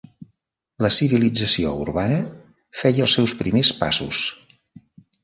La civilització urbana feia els seus primers passos.